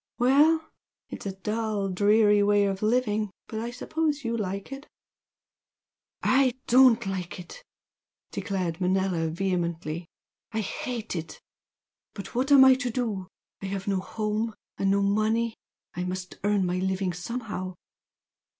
Well! It's a dull, dreary way of living, but I suppose you like it!" "I DON'T like it!" declared Manella, vehemently, "I hate it! But what am I to do? I have no home and no money. I must earn my living somehow."